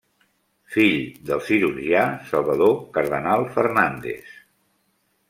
Fill del cirurgià Salvador Cardenal Fernández.